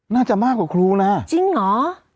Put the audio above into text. น่าจะมากกว่าครูนะจริงเหรอ